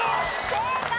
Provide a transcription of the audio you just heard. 正解！